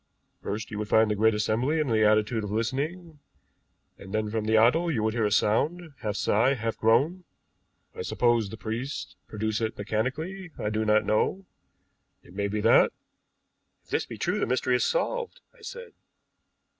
First you would find the great assembly in the attitude of listening, and then from the idol you would hear a sound, half sigh, half groan. I suppose the priests produce it mechanically I do not know. It may be that " "If this be true the mystery is solved," I said.